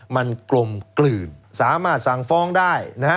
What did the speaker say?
มันกลมกลื่นสามารถสั่งฟ้องได้นะฮะ